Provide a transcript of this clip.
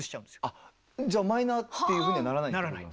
あっじゃあマイナーっていうふうにはならない？ならない。